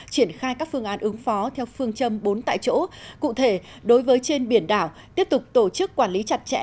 triển khai các phương án ứng phó theo phương châm bốn tại chỗ cụ thể đối với trên biển đảo tiếp tục tổ chức quản lý chặt chẽ